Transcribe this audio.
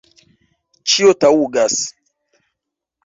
Ĉio taŭgas.